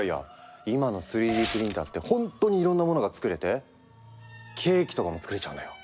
今の３Ｄプリンターって本当にいろんなモノが作れてケーキとかも作れちゃうのよ。